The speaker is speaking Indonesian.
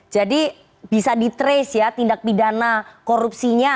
jadi bisa di trace ya tindak pidana korupsinya